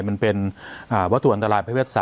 มันเป็นวัตถุอันตรายประเภท๓